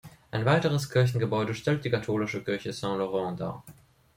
Ein weiteres Kirchengebäude stellt die katholische Kirche Saint Laurent dar.